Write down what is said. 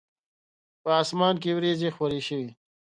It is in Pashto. په اسمان کې وریځي خوری شوی